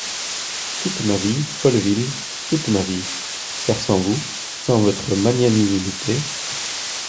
Toute ma vie, Folleville, toute ma vie ! car sans vous… sans votre magnanimité…